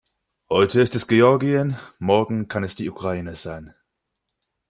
Heute ist es Georgien, morgen kann es die Ukraine sein.